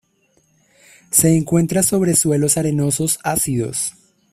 Se encuentra sobre suelos arenosos ácidos.